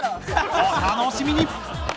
お楽しみに！